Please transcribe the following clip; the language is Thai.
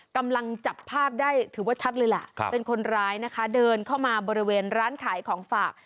กำลังจับภาพได้ถือว่าชัดเลยล่ะเป็นคนร้ายนะคะเดินเข้ามาบริเวณร้านขายของฝาก